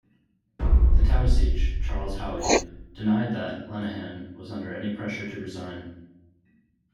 The Taoiseach, Charles Haughey, denied that Lenihan was under any pressure to resign.